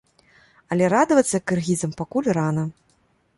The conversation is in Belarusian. Але радавацца кыргызам пакуль рана.